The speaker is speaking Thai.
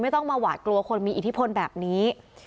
ต้องมาหวาดกลัวคนมีอิทธิพลแบบนี้